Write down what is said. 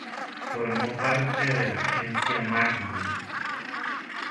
Formó parte de la agencia Magnum.